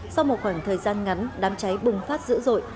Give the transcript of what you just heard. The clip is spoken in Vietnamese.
sau một khoảng thời gian ngắn đám cháy bùng phát dữ dội